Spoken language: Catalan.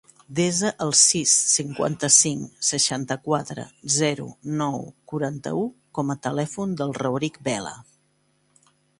Desa el sis, cinquanta-cinc, seixanta-quatre, zero, nou, quaranta-u com a telèfon del Rauric Vela.